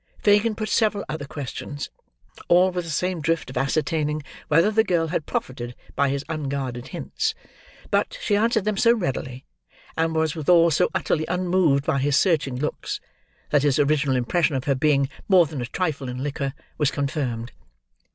Fagin put several other questions: all with the same drift of ascertaining whether the girl had profited by his unguarded hints; but, she answered them so readily, and was withal so utterly unmoved by his searching looks, that his original impression of her being more than a trifle in liquor, was confirmed.